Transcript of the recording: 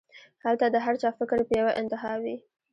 هلته د هر چا فکر پۀ يوه انتها وي